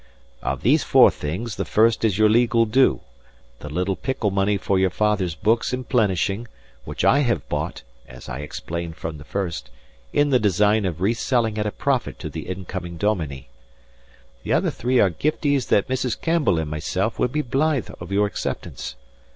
"Of these four things, the first is your legal due: the little pickle money for your father's books and plenishing, which I have bought (as I have explained from the first) in the design of re selling at a profit to the incoming dominie. The other three are gifties that Mrs. Campbell and myself would be blithe of your acceptance.